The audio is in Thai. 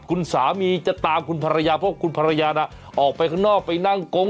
คุณสามีจะตามคุณภรรยาเพราะคุณภรรยาน่ะออกไปข้างนอกไปนั่งโก๊ง